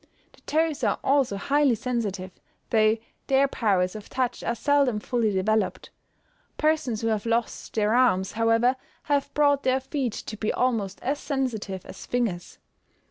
The toes are also highly sensitive, though their powers of touch are seldom fully developed. Persons who have lost their arms, however, have brought their feet to be almost as sensitive as fingers.